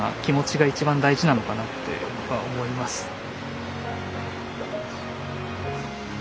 気持ちが一番大事なのかなって思います。